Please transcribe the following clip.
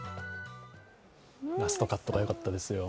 ラストカットがよかったですよ。